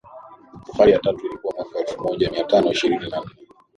safari ya tatu ilikuwa mwaka elfu moja mia tano ishirini na nne